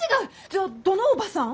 じゃあどのおばさん？